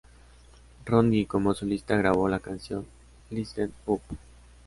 Ronnie, como solista grabó la canción "Listen Up!